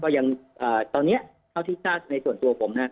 ยังตอนนี้เท่าที่ทราบในส่วนตัวผมนะ